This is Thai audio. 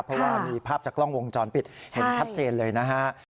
เพราะว่ามีภาพจากกล้องวงจรปิดเห็นชัดเจนเลยนะฮะ